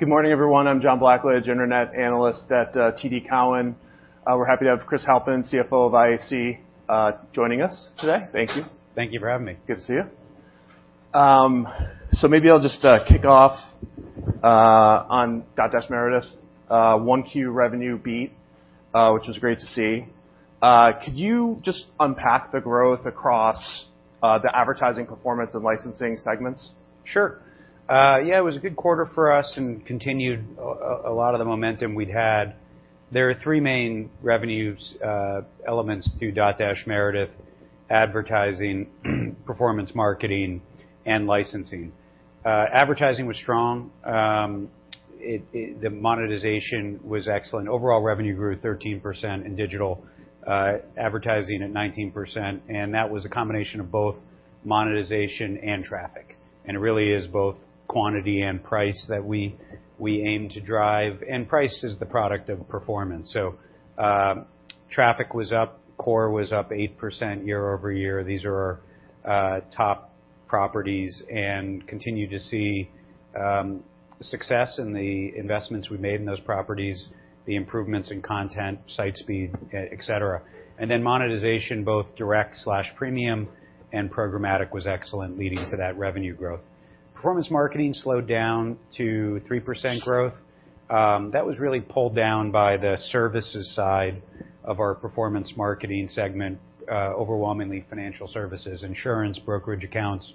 Good morning, everyone. I'm John Blackledge, Internet Analyst at TD Cowen. We're happy to have Chris Halpin, CFO of IAC, joining us today. Thank you. Thank you for having me. Good to see you. So maybe I'll just kick off on Dotdash Meredith, 1Q revenue beat, which was great to see. Could you just unpack the growth across the advertising performance and licensing segments? Sure. Yeah, it was a good quarter for us and continued a lot of the momentum we'd had. There are three main revenues, elements to Dotdash Meredith: advertising, performance marketing, and licensing. Advertising was strong. It, the monetization was excellent. Overall revenue grew 13% and digital advertising at 19%, and that was a combination of both monetization and traffic. And it really is both quantity and price that we, we aim to drive, and price is the product of performance. So, traffic was up, core was up 8% year-over-year. These are our top properties and continue to see success in the investments we made in those properties, the improvements in content, site speed, et cetera. And then monetization, both direct/premium and programmatic, was excellent, leading to that revenue growth. Performance marketing slowed down to 3% growth. That was really pulled down by the services side of our performance marketing segment, overwhelmingly financial services, insurance, brokerage accounts,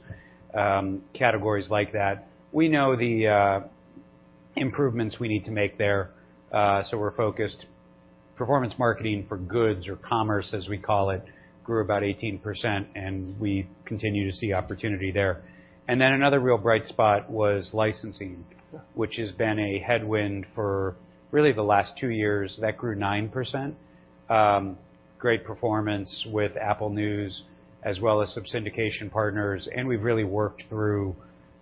categories like that. We know the improvements we need to make there, so we're focused. Performance marketing for goods or commerce, as we call it, grew about 18%, and we continue to see opportunity there. And then another real bright spot was licensing, which has been a headwind for really the last two years. That grew 9%. Great performance with Apple News, as well as some syndication partners, and we've really worked through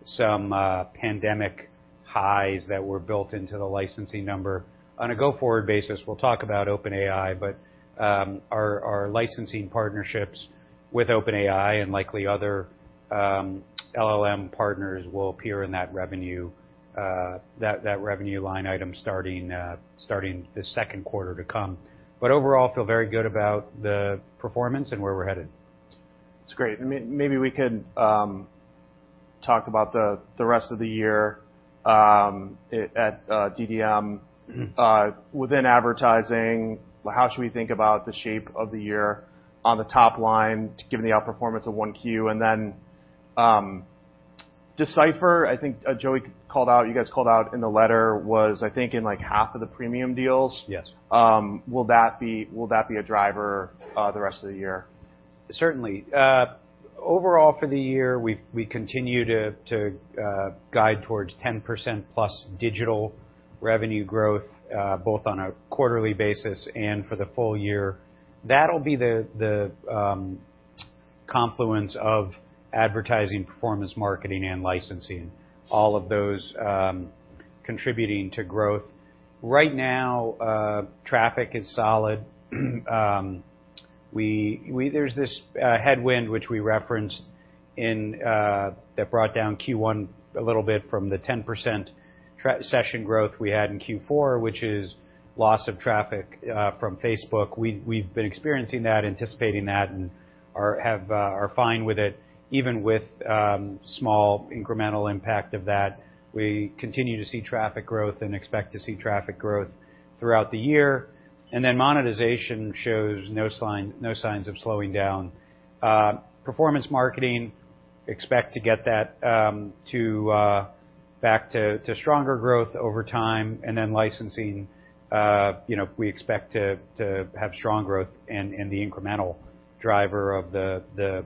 some pandemic highs that were built into the licensing number. On a go-forward basis, we'll talk about OpenAI, but our licensing partnerships with OpenAI and likely other LLM partners will appear in that revenue line item starting the second quarter to come. But overall, feel very good about the performance and where we're headed. That's great. Maybe we could talk about the rest of the year at DDM. Mm-hmm. Within advertising, how should we think about the shape of the year on the top line, given the outperformance of 1Q? And then, D/Cipher, I think, Joey called out, you guys called out in the letter, was, I think, in, like, half of the premium deals? Yes. Will that be, will that be a driver the rest of the year? Certainly. Overall, for the year, we've, we continue to guide towards 10%+ digital revenue growth, both on a quarterly basis and for the full year. That'll be the confluence of advertising, performance marketing, and licensing, all of those contributing to growth. Right now, traffic is solid. There's this headwind, which we referenced in, that brought down Q1 a little bit from the 10% traffic session growth we had in Q4, which is loss of traffic from Facebook. We've been experiencing that, anticipating that, and are fine with it. Even with small incremental impact of that, we continue to see traffic growth and expect to see traffic growth throughout the year. And then monetization shows no sign, no signs of slowing down. Performance marketing, expect to get that to back to stronger growth over time. And then licensing, you know, we expect to have strong growth and the incremental driver of the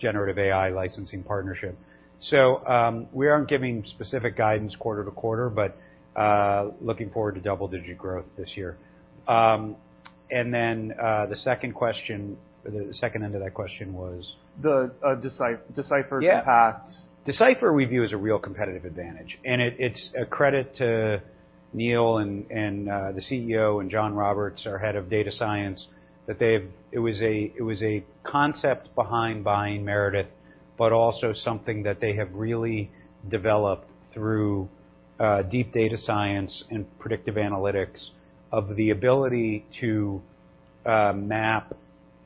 generative AI licensing partnership. So, we aren't giving specific guidance quarter to quarter, but looking forward to double-digit growth this year. And then, the second question, the second end of that question was? The D/Cipher paths. Yeah. D/Cipher we view as a real competitive advantage, and it, it's a credit to Neil and the CEO and Jon Roberts, our head of data science, that they've—it was a concept behind buying Meredith, but also something that they have really developed through deep data science and predictive analytics of the ability to map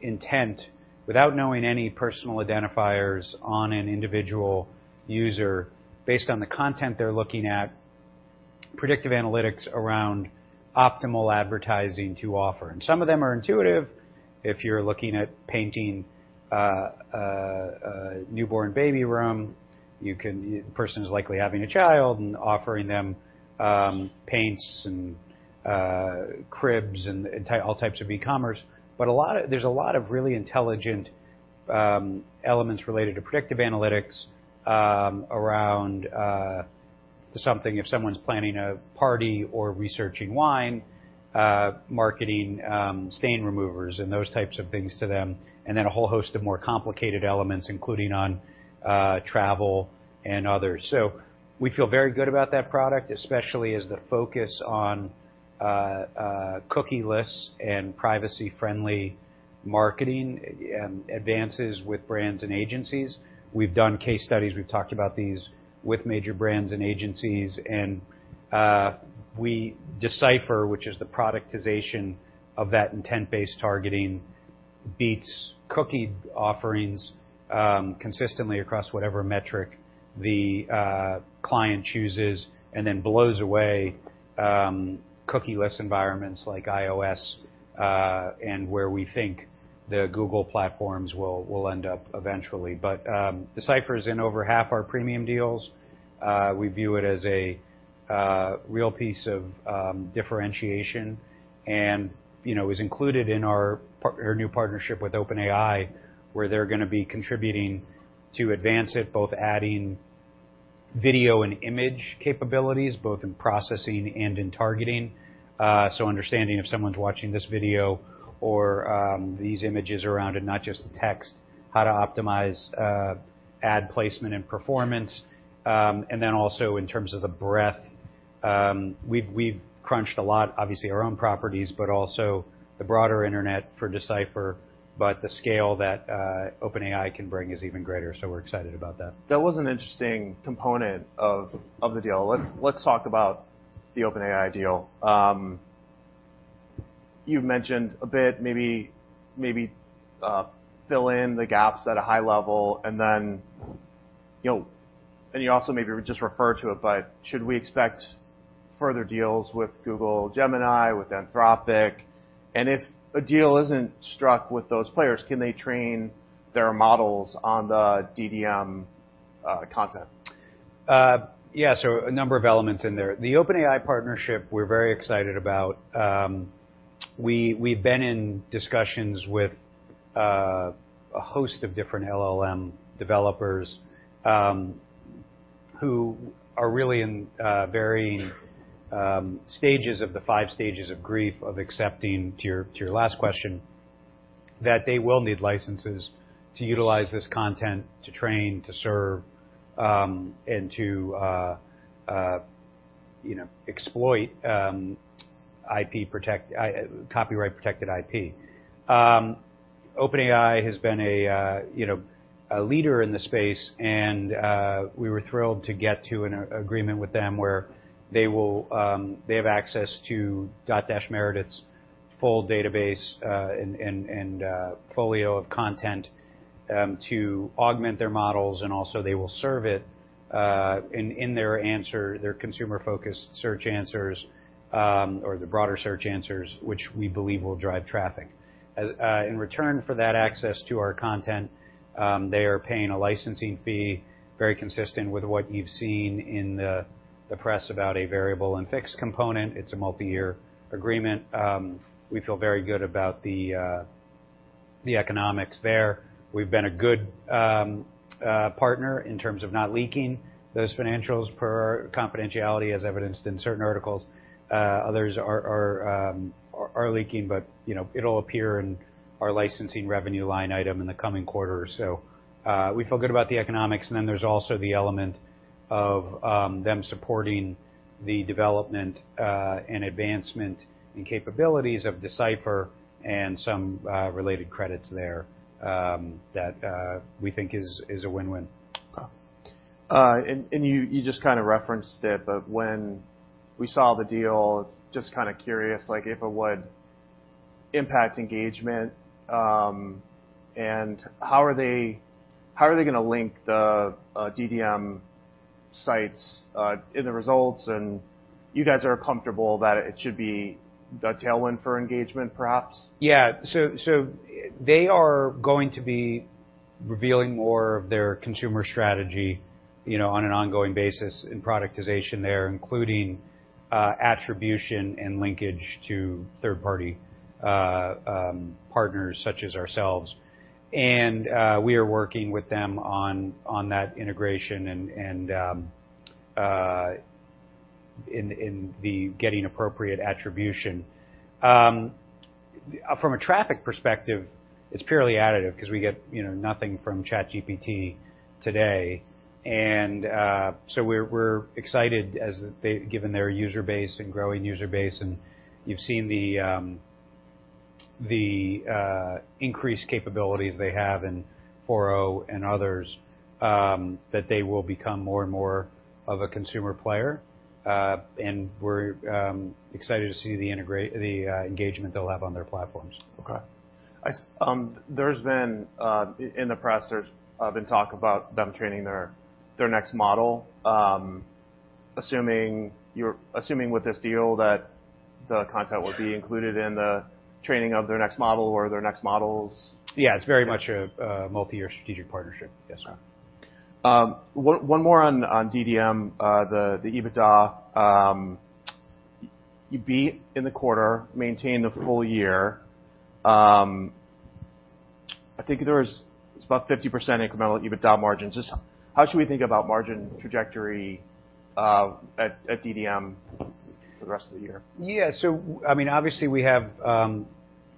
intent without knowing any personal identifiers on an individual user based on the content they're looking at, predictive analytics around optimal advertising to offer. And some of them are intuitive. If you're looking at painting a newborn baby room, you can... The person's likely having a child and offering them paints and cribs and all types of e-commerce. But there's a lot of really intelligent elements related to predictive analytics around something if someone's planning a party or researching wine, marketing stain removers and those types of things to them, and then a whole host of more complicated elements, including on travel and others. So we feel very good about that product, especially as the focus on cookie-less and privacy-friendly marketing advances with brands and agencies. We've done case studies, we've talked about these with major brands and agencies, and we D/Cipher, which is the productization of that intent-based targeting, beats cookie offerings consistently across whatever metric the client chooses, and then blows away cookie-less environments like iOS and where we think the Google platforms will end up eventually. But D/Cipher is in over half our premium deals. We view it as a real piece of differentiation and, you know, is included in our new partnership with OpenAI, where they're gonna be contributing to advance it, both adding video and image capabilities, both in processing and in targeting. So understanding if someone's watching this video or these images around it, not just the text, how to optimize ad placement and performance. And then also in terms of the breadth, we've crunched a lot, obviously, our own properties, but also the broader internet for D/Cipher, but the scale that OpenAI can bring is even greater, so we're excited about that. That was an interesting component of the deal. Let's talk about the OpenAI deal. You've mentioned a bit, maybe fill in the gaps at a high level, and then, you know... And you also maybe just refer to it, but should we expect further deals with Google Gemini, with Anthropic? And if a deal isn't struck with those players, can they train their models on the DDM content? Yeah, so a number of elements in there. The OpenAI partnership, we're very excited about. We've been in discussions with a host of different LLM developers, who are really in varying stages of the five stages of grief, of accepting, to your last question, that they will need licenses to utilize this content, to train, to serve, and to, you know, exploit copyright-protected IP. OpenAI has been a, you know, a leader in the space, and we were thrilled to get to an agreement with them where they will, they have access to Dotdash Meredith's full database, and portfolio of content, to augment their models, and also they will serve it, in their answer, their consumer-focused search answers, or the broader search answers, which we believe will drive traffic. As in return for that access to our content, they are paying a licensing fee, very consistent with what you've seen in the press about a variable and fixed component. It's a multi-year agreement. We feel very good about the economics there. We've been a good partner in terms of not leaking those financials per confidentiality, as evidenced in certain articles. Others are leaking, but you know, it'll appear in our licensing revenue line item in the coming quarter or so. We feel good about the economics, and then there's also the element of them supporting the development and advancement and capabilities of D/Cipher and some related credits there that we think is a win-win. You just kind of referenced it, but when we saw the deal, just kind of curious, like, if it would impact engagement, and how are they gonna link the DDM sites in the results? You guys are comfortable that it should be a tailwind for engagement, perhaps? Yeah. So they are going to be revealing more of their consumer strategy, you know, on an ongoing basis in productization there, including attribution and linkage to third-party partners such as ourselves. And we are working with them on that integration and in the getting appropriate attribution. From a traffic perspective, it's purely additive because we get, you know, nothing from ChatGPT today. And so we're excited given their user base and growing user base, and you've seen the increased capabilities they have in 4o and others, that they will become more and more of a consumer player. And we're excited to see the engagement they'll have on their platforms. Okay. There's been... In the press, there's been talk about them training their next model. Assuming with this deal that the content will be included in the training of their next model or their next models? Yeah, it's very much a multi-year strategic partnership. Yes, sir. One more on DDM, the EBITDA. You beat in the quarter, maintained the full year. I think there was about 50% incremental EBITDA margins. Just how should we think about margin trajectory at DDM for the rest of the year? Yeah. So, I mean, obviously, we have,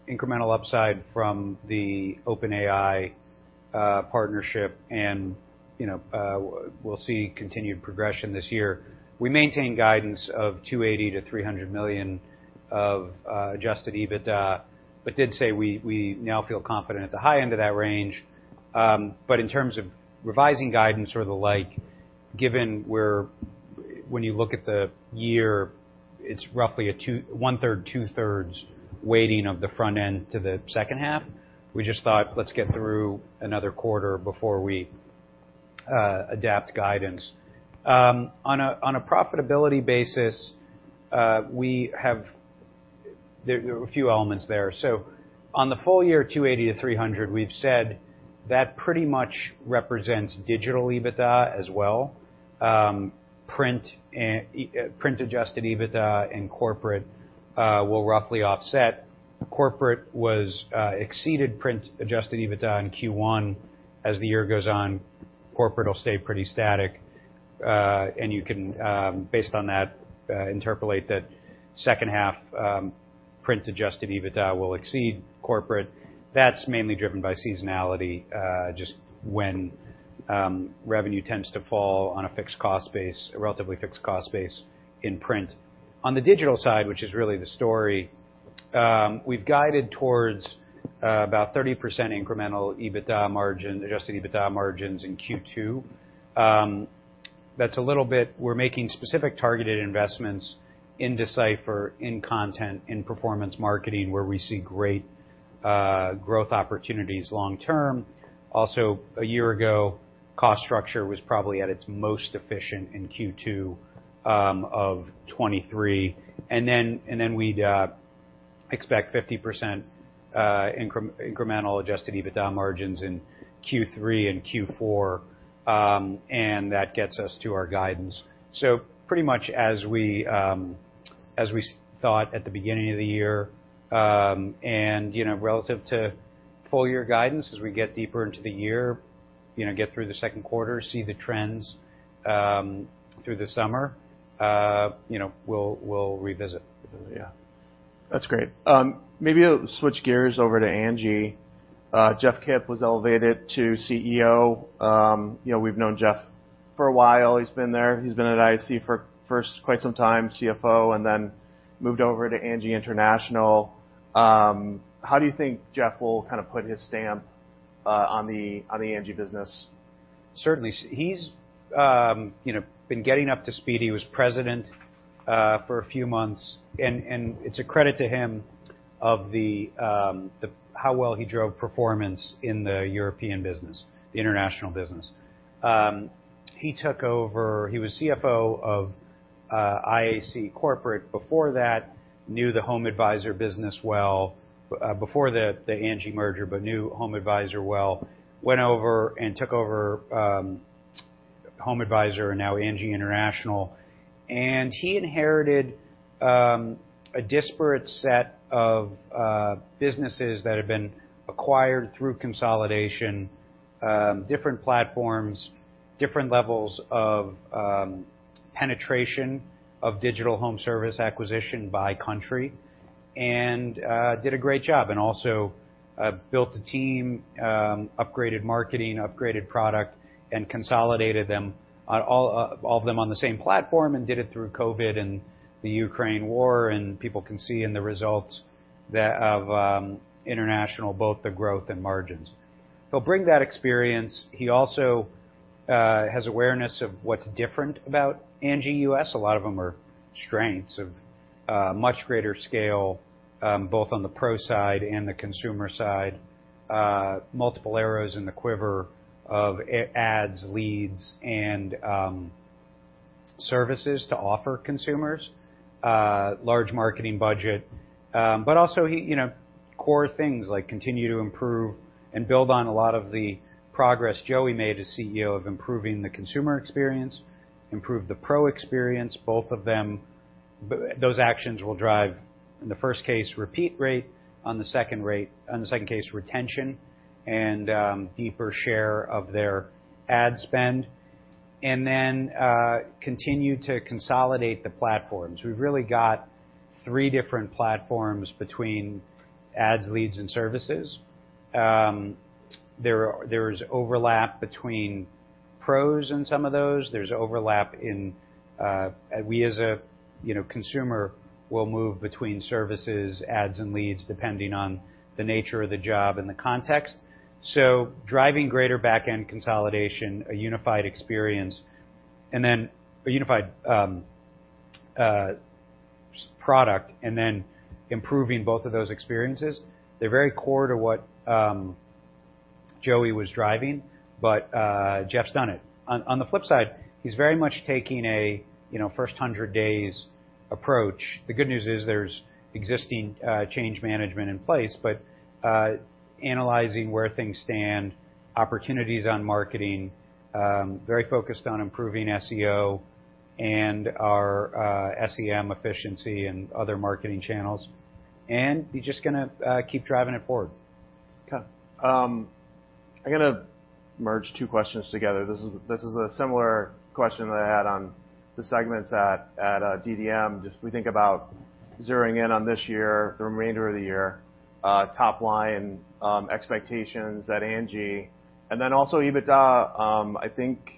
incremental upside from the OpenAI partnership, and, you know, we'll see continued progression this year. We maintain guidance of $280 million-$300 million of adjusted EBITDA, but did say we, we now feel confident at the high end of that range. But in terms of revising guidance or the like, given, when you look at the year, it's roughly a 2, 1/3, 2/3 weighting of the front end to the second half. We just thought, let's get through another quarter before we adapt guidance. On a, on a profitability basis, we have, there, there are a few elements there. So on the full year $280 million-$300 million, we've said that pretty much represents digital EBITDA as well. Print and print-adjusted EBITDA and corporate will roughly offset. Corporate exceeded print-adjusted EBITDA in Q1. As the year goes on, corporate will stay pretty static, and you can, based on that, interpolate that second half, print-adjusted EBITDA will exceed corporate. That's mainly driven by seasonality, just when revenue tends to fall on a fixed cost base, a relatively fixed cost base in print. On the digital side, which is really the story, we've guided towards about 30% incremental EBITDA margin, adjusted EBITDA margins in Q2. That's a little bit... We're making specific targeted investments in D/Cipher, in content, in performance marketing, where we see great growth opportunities long term. Also, a year ago, cost structure was probably at its most efficient in Q2 of 2023. Then we'd expect 50% incremental Adjusted EBITDA margins in Q3 and Q4, and that gets us to our guidance. So pretty much as we as we thought at the beginning of the year, and, you know, relative to full year guidance, as we get deeper into the year, you know, get through the second quarter, see the trends, through the summer, you know, we'll revisit. Yeah. That's great. Maybe I'll switch gears over to Angi. Jeff Kip was elevated to CEO. You know, we've known Jeff for a while. He's been there. He's been at IAC for quite some time, CFO, and then moved over to Angi International. How do you think Jeff will kind of put his stamp on the Angi business? Certainly. He's, you know, been getting up to speed. He was president for a few months, and it's a credit to him of the how well he drove performance in the European business, the international business. He took over. He was CFO of IAC Corporate. Before that, knew the HomeAdvisor business well before the Angi merger, but knew HomeAdvisor well. Went over and took over HomeAdvisor, and now Angi International. And he inherited a disparate set of businesses that have been acquired through consolidation, different platforms, different levels of penetration of digital home service acquisition by country, and did a great job. And also built a team, upgraded marketing, upgraded product, and consolidated them all of them on the same platform and did it through COVID and the Ukraine war, and people can see in the results that of international both the growth and margins. He'll bring that experience. He also has awareness of what's different about Angi U.S. A lot of them are strengths of much greater scale, both on the pro side and the consumer side, multiple arrows in the quiver of ads, leads, and services to offer consumers, large marketing budget. But also, he, you know, core things like continue to improve and build on a lot of the progress Joey made as CEO of improving the consumer experience, improve the pro experience, both of them, those actions will drive, in the first case, repeat rate, on the second rate, on the second case, retention and, deeper share of their ad spend, and then, continue to consolidate the platforms. We've really got three different platforms between ads, leads, and services. There is overlap between pros and some of those. There's overlap in, we as a, you know, consumer, will move between services, ads, and leads, depending on the nature of the job and the context. So driving greater back-end consolidation, a unified experience, and then a unified, product, and then improving both of those experiences. They're very core to what, Joey was driving, but, Jeff's done it. On the flip side, he's very much taking a, you know, first 100 days approach. The good news is there's existing change management in place, but, analyzing where things stand, opportunities on marketing, very focused on improving SEO and our SEM efficiency and other marketing channels. And he's just gonna keep driving it forward. Okay. I'm gonna merge two questions together. This is, this is a similar question that I had on the segments at, at, DDM. Just we think about zeroing in on this year, the remainder of the year, top line expectations at Angi, and then also EBITDA. I think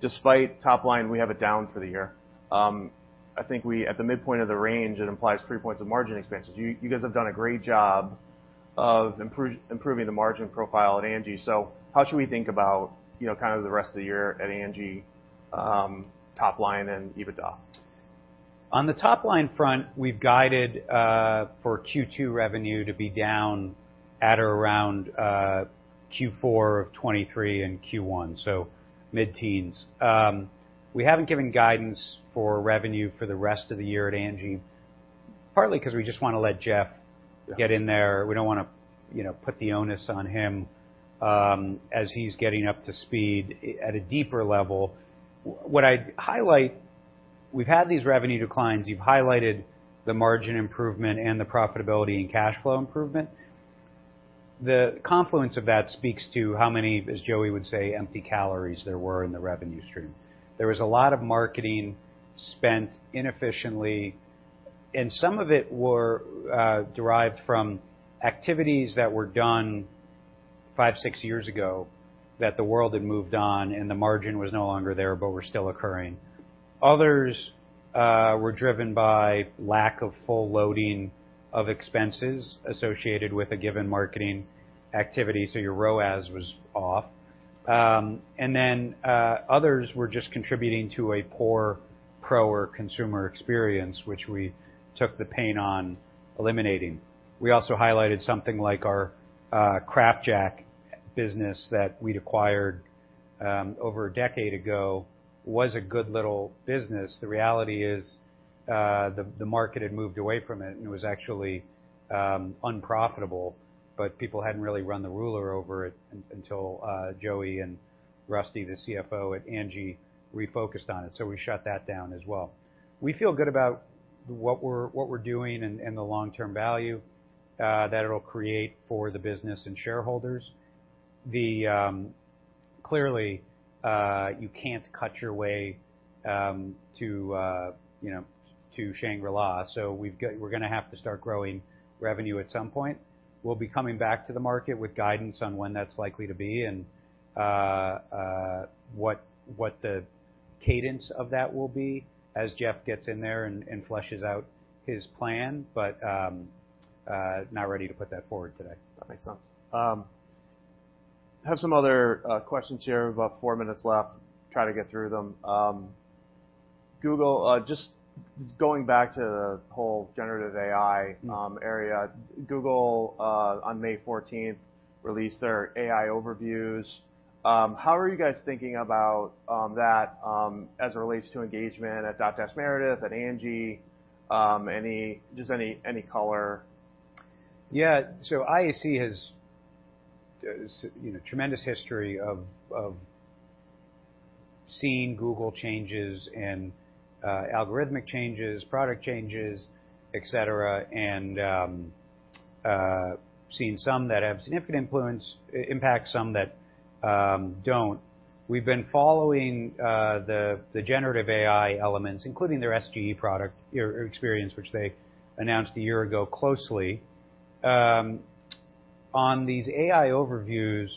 despite top line, we have it down for the year. I think we, at the midpoint of the range, it implies three points of margin expenses. You, you guys have done a great job of improving the margin profile at Angi. So how should we think about, you know, kind of the rest of the year at Angi, top line and EBITDA? On the top line front, we've guided for Q2 revenue to be down at or around Q4 of 2023 and Q1, so mid-teens. We haven't given guidance for revenue for the rest of the year at Angi, partly 'cause we just wanna let Jeff get in there. We don't wanna, you know, put the onus on him, as he's getting up to speed at a deeper level. What I'd highlight, we've had these revenue declines. You've highlighted the margin improvement and the profitability and cash flow improvement. The confluence of that speaks to how many, as Joey would say, empty calories there were in the revenue stream. There was a lot of marketing spent inefficiently, and some of it were derived from activities that were done five, six years ago, that the world had moved on and the margin was no longer there, but were still occurring. Others were driven by lack of full loading of expenses associated with a given marketing activity, so your ROAS was off. And then, others were just contributing to a poor pro or consumer experience, which we took the pain on eliminating. We also highlighted something like our CraftJack business that we'd acquired over a decade ago, was a good little business. The reality is, the market had moved away from it, and it was actually unprofitable, but people hadn't really run the ruler over it until Joey and Rusty, the CFO at Angi, refocused on it, so we shut that down as well. We feel good about what we're doing and the long-term value that it'll create for the business and shareholders. Clearly, you can't cut your way, you know, to Shangri-La, so we've got-- we're gonna have to start growing revenue at some point. We'll be coming back to the market with guidance on when that's likely to be, and what the cadence of that will be as Jeff gets in there and fleshes out his plan, but not ready to put that forward today. That makes sense. Have some other questions here, about 4 minutes left. Try to get through them. Google, just going back to the whole generative AI area. Google, on May 14, released their AI Overviews. How are you guys thinking about that, as it relates to engagement at Dotdash Meredith, at Angi? Any, just any color? Yeah. So IAC has, you know, tremendous history of seeing Google changes and algorithmic changes, product changes, et cetera, and seeing some that have significant influence, impact, some that don't. We've been following the generative AI elements, including their SGE product experience, which they announced a year ago, closely. On these AI Overviews,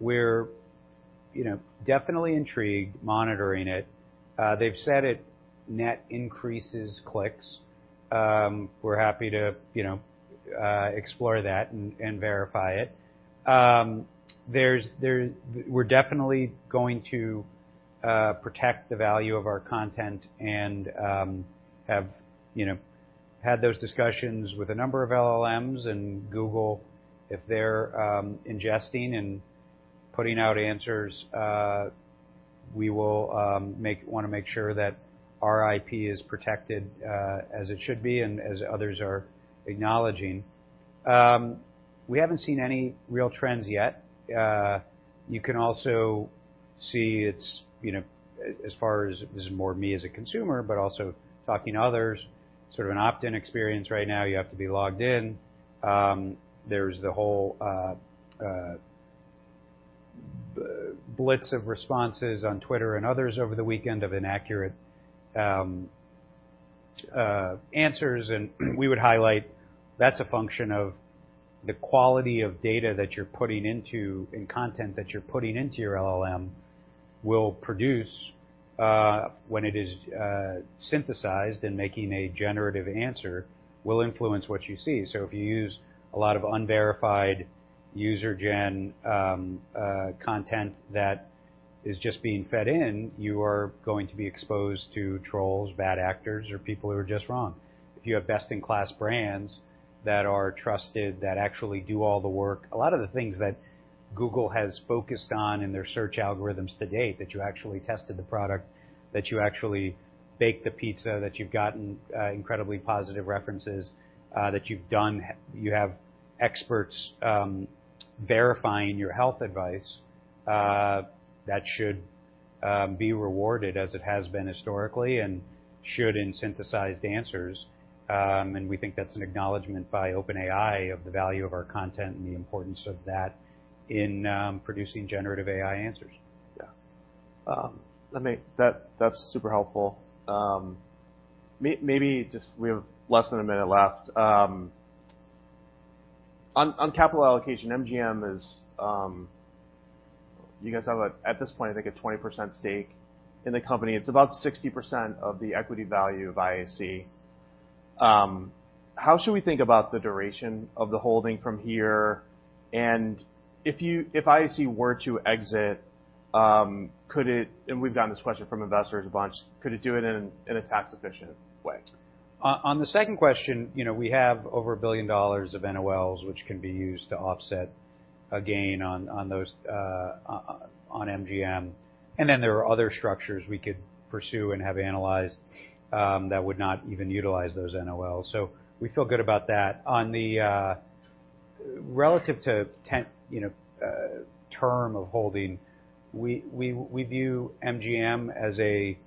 we're, you know, definitely intrigued, monitoring it. They've said it net increases clicks. We're happy to, you know, explore that and verify it. We're definitely going to protect the value of our content and have, you know, had those discussions with a number of LLMs and Google. If they're ingesting and putting out answers, we will wanna make sure that our IP is protected, as it should be, and as others are acknowledging. We haven't seen any real trends yet. You can also see it's, you know, as far as this is more me as a consumer, but also talking to others, sort of an opt-in experience right now, you have to be logged in. There's the whole blitz of responses on Twitter and others over the weekend of inaccurate answers, and we would highlight, that's a function of the quality of data that you're putting into, and content that you're putting into your LLM, will produce, when it is synthesized and making a generative answer, will influence what you see. So if you use a lot of unverified user gen content that is just being fed in, you are going to be exposed to trolls, bad actors, or people who are just wrong. If you have best-in-class brands that are trusted, that actually do all the work, a lot of the things that Google has focused on in their search algorithms to date, that you actually tested the product, that you actually baked the pizza, that you've gotten incredibly positive references, that you've done. You have experts verifying your health advice that should be rewarded as it has been historically and should in synthesized answers. And we think that's an acknowledgment by OpenAI of the value of our content and the importance of that in producing generative AI answers. Yeah. Let me... That's super helpful. Maybe just we have less than a minute left. On capital allocation, MGM—you guys have a, at this point, I think a 20% stake in the company. It's about 60% of the equity value of IAC. How should we think about the duration of the holding from here? And if you—if IAC were to exit, could it... And we've gotten this question from investors a bunch: Could it do it in a tax-efficient way? On the second question, you know, we have over $1 billion of NOLs, which can be used to offset a gain on those on MGM. And then there are other structures we could pursue and have analyzed that would not even utilize those NOLs. So we feel good about that. On the relative to 10, you know, term of holding, we view MGM as a-